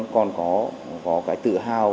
còn có cái tự hào